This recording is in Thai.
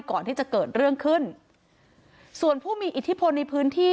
ก่อนที่จะเกิดเรื่องขึ้นส่วนผู้มีอิทธิพลในพื้นที่